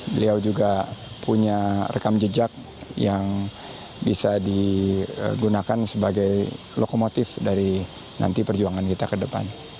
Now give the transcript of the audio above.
beliau juga punya rekam jejak yang bisa digunakan sebagai lokomotif dari nanti perjuangan kita ke depan